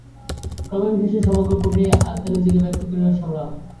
ক্রমবিকাশের সমগ্র প্রক্রিয়াই আত্মার নিজেকে ব্যক্ত করিবার সংগ্রাম।